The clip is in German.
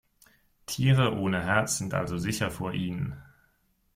Tiere ohne Herz sind also sicher vor ihnen.